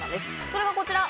それがこちら。